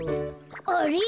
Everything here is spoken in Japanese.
あれ？